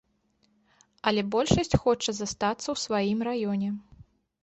Але большасць хоча застацца ў сваім раёне.